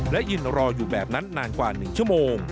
และยืนรออยู่แบบนั้นนานกว่า๑ชั่วโมง